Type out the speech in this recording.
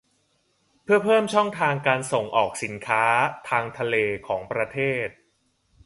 เพื่อเพิ่มช่องทางการส่งออกสินค้าทางทะเลของประเทศ